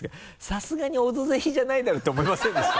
「さすがにオドぜひじゃないだろ」て思いませんでした？